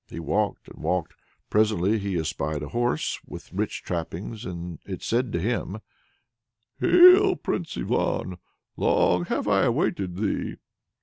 He walked and walked. Presently he espied a horse with rich trappings, and it said to him: "Hail, Prince Ivan! Long have I awaited thee!"